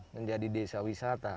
menjadi desa wisata